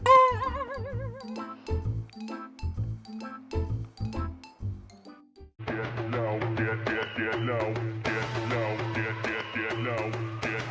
มันน่าจะมีลูกสาวอยู่ในนี้วะ